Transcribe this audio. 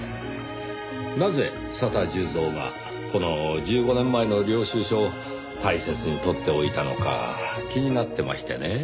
なぜ佐田重蔵がこの１５年前の領収書を大切に取っておいたのか気になってましてね。